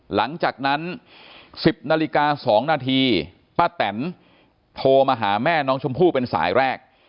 หลังจากนั้น๑๐นาฬิกา๒นาทีป้าแตนโทรมาหาแม่น้องชมพู่เป็นสายแรก